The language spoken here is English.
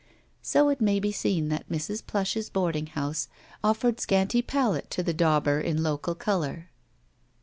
So it may be seen that Mrs. Plush's boarding house Q&ered scanty palate to the dauber in local color.